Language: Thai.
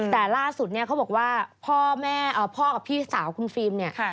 แต่ล่าสุดเนี่ยเค้าบอกว่าพ่อพี่สาวกูฟิล์มเนี่ย